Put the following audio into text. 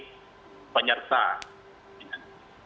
ya itu juga yang saya inginkan